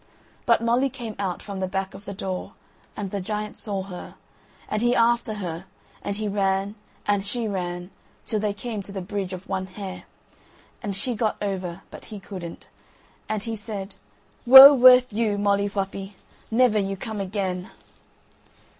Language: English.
But Molly came out from the back of the door, and the giant saw her, and he after her; and he ran and she ran, till they came to the "Bridge of one hair," and she got over but he couldn't; and he said, "Woe worth you, Molly Whuppie! never you come again."